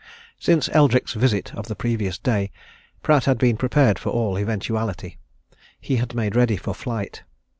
Since Eldrick's visit of the previous day, Pratt had been prepared for all eventuality. He had made ready for flight.